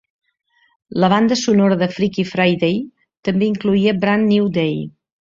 La banda sonora de "Freaky Friday" també incloïa "Brand new day".